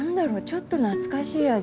ちょっと懐かしい味。